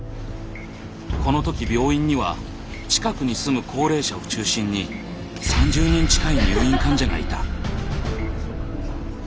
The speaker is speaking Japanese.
この時病院には近くに住む高齢者を中心に３０人近い入院患者がいた。